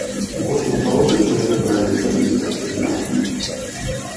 Вось у палосачку яму бралі з палівіскозы пінжак.